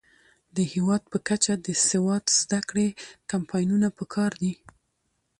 د هیواد په کچه د سواد زده کړې کمپاینونه پکار دي.